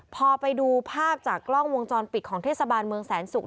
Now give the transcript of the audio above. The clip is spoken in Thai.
พอไปดูภาพจากกล้องวงจรปิดของเทศบาลเมืองแสนศุกร์